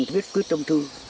đảng viên viết quyết tâm thư